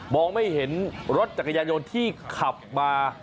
ไม่เห็นรถจักรยายนที่ขับมา